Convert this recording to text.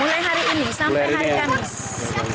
mulai hari ini sampai hari kamis